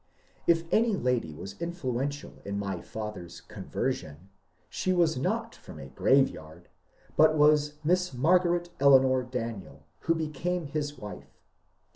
If any lady was influential in my father's "conversion," she was not from a graveyard, but was Miss Margaret Eleanor Daniel, who became his wife.